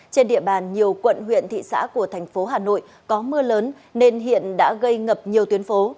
trên địa bàn nhiều quận huyện thị xã của thành phố hà nội có mưa lớn nên hiện đã gây ngập nhiều tuyến phố